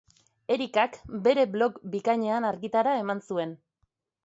Erikak bere blog bikainean argitara eman zuen.